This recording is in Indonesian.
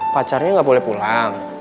pacarnya gak boleh pulang